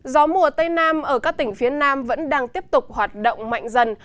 gió mùa tây nam ở các tỉnh phía nam vẫn đang tiếp tục hoạt động mạnh dần